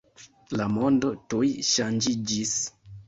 La mondo tuj ŝanĝiĝis.